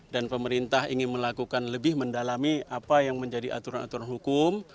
dan pemerintah ingin melakukan lebih mendalami apa yang menjadi aturan aturan hukum